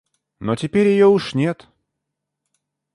Но теперь ее уж нет.